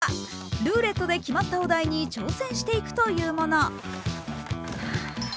その内容は、ルーレットで決まったお題に挑戦していくというもの。